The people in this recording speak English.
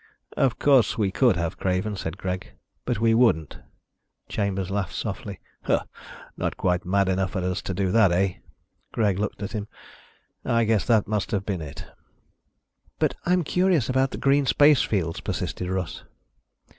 "Of course we could have, Craven," said Greg, "but we wouldn't." Chambers laughed softly. "Not quite mad enough at us to do that, eh?" Greg looked at him. "I guess that must have been it." "But I'm curious about the green space fields," persisted Russ.